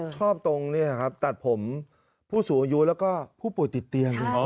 ตรงตัดผมผู้สูงอายุแล้วก็ผู้ป่วยติดเตียง